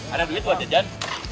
ada beli buat jejan